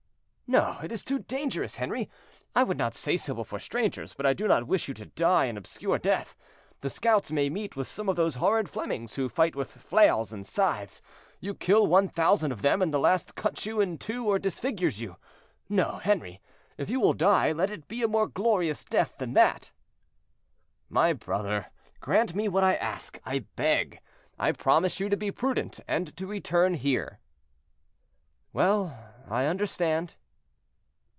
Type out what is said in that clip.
"No, it is too dangerous, Henri; I would not say so before strangers, but I do not wish you to die an obscure death. The scouts may meet with some of those horrid Flemings who fight with flails and scythes; you kill one thousand of them, and the last cuts you in two or disfigures you. No, Henri; if you will die, let it be a more glorious death than that." "My brother, grant me what I ask, I beg; I promise you to be prudent, and to return here." "Well, I understand."